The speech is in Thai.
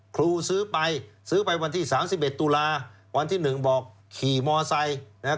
ครูซื้อไปซื้อไปวันที่สามสิบเอ็ดตุลาวันที่หนึ่งบอกขี่มอไซค์นะฮะ